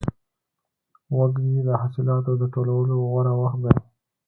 وږی د حاصلاتو د ټولولو غوره وخت دی.